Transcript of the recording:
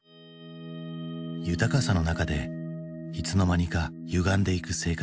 豊かさの中でいつの間にかゆがんでいく生活。